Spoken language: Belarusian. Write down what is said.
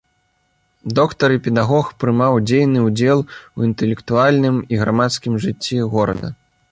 Доктар і педагог прымаў дзейны ўдзел у інтэлектуальным і грамадскім жыцці горада.